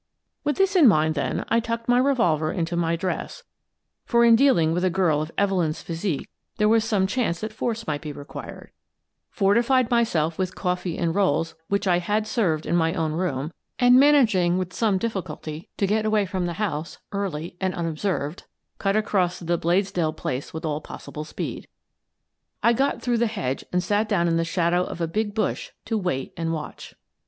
With this in mind, then, I tucked my revolver into my dress, — for in dealing with a girl of Evelyn's physique there was some chance that force might be required, — fortified myself with coffee arid rolls I Try the Third Degree 211 which I had served in my own room, and, managing with some difficulty to get away from the house early and unobserved, cut across to the Bladesdell place with all possible speed. I got through the hedge and sat down in the shadow of a big bush to wait and watch.